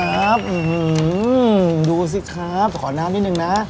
นะครับอือดูสิครับขอน้ำนิดนึงนะ